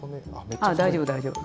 あ大丈夫大丈夫。